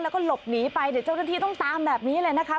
แล้วก็หลบหนีไปเดี๋ยวเจ้าหน้าที่ต้องตามแบบนี้เลยนะคะ